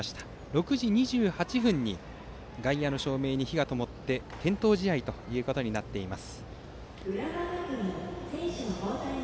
６時２８分に外野の照明に火がともって点灯試合となっています。